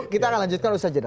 kita akan lanjutkan usaha jeda